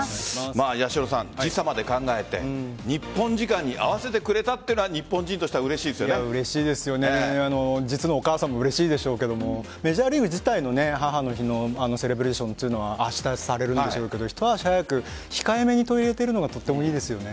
八代さん、時差まで考えて日本時間に合わせてくれたっていうのは日本人としては実のお母さんもうれしいでしょうけどメジャーリーグ自体の母の日のセレブレーションというのは明日されるんでしょうけどひと足早く控えめに取り入れているのがとてもいいですね。